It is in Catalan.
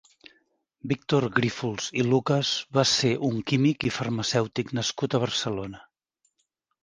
Víctor Grífols i Lucas va ser un químic i farmacèutic nascut a Barcelona.